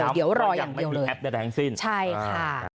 เดี๋ยวรออย่างเดียวเลยใช่ค่ะ